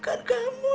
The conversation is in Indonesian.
dina gak tau